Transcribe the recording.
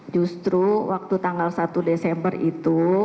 justru waktu tanggal satu desember itu